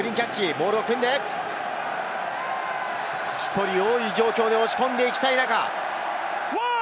モールを組んで１人多い状況で押し込んでいきたい中。